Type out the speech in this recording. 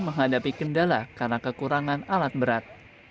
menghadapi kendala karena kekurangan alat berat